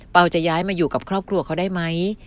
จะย้ายมาอยู่กับครอบครัวเขาได้ไหม